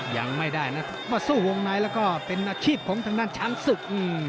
ยังไม่ได้นะมาสู้วงในแล้วก็เป็นอาชีพของทางด้านช้างศึก